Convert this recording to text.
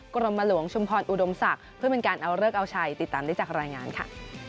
กรมหลวงชุมพรอุดมศักดิ์เพื่อเป็นการเอาเลิกเอาชัยติดตามได้จากรายงานค่ะ